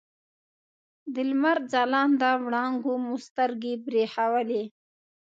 د لمر ځلانده وړانګو مو سترګې برېښولې.